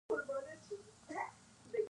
ایا ستاسو قاضي به ایماندار نه وي؟